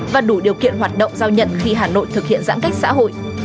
và đủ điều kiện hoạt động giao nhận khi hà nội thực hiện giãn cách xã hội